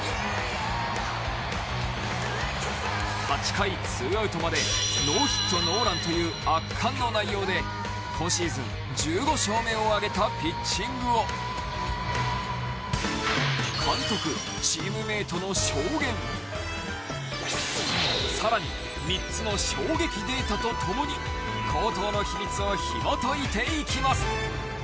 ８回２アウトまでノーヒットノーランという圧巻の内容で今シーズン１５勝目を挙げたピッチングを監督、チームメイトの証言さらに３つの衝撃データとともに好投の秘密をひもといていきます。